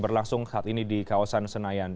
berlangsung saat ini di kawasan senayan